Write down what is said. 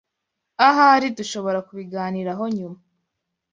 Ahari dushobora kubiganiraho nyuma.